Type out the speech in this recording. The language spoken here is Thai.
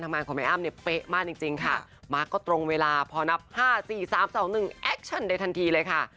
ได้ทันทีเลยค่ะ